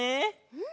うん。